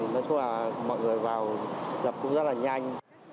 nói chung là mọi người vào dập cũng rất là nhanh